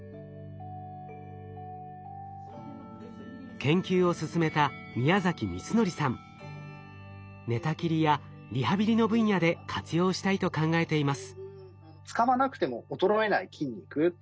研究を進めた寝たきりやリハビリの分野で活用したいと考えています。